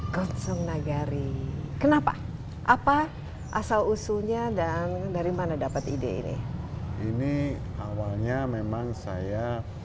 kostum nagari kenapa apa asal usulnya dan dari mana dapat ide ini ini awalnya memang saya